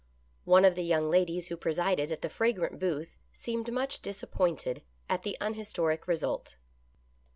One of the young ladies who presided at the fragrant booth seemed much disappointed at the unhistoric result.